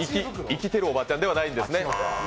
生きてるおばあちゃんではないんですね。